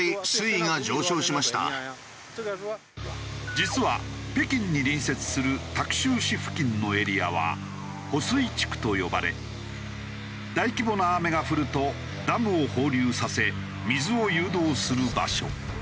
実は北京に隣接するタク州市付近のエリアは保水地区と呼ばれ大規模な雨が降るとダムを放流させ水を誘導する場所。